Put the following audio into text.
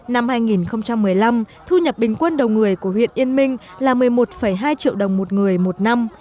năm hai nghìn một mươi năm thu nhập bình quân đầu người của huyện yên minh là một mươi một hai triệu đồng một người một năm